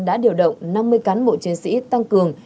đã điều động năm mươi cán bộ chiến sĩ tăng cường